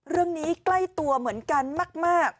เรื่องนี้ใกล้ตัวเหมือนกันมาก